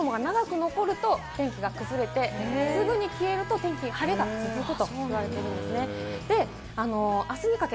飛行機雲が長く残ると、天気が崩れて、すぐに消えると、天気の晴れが続くとなってるんですね。